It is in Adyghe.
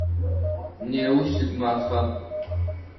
Неущ сыд мафа?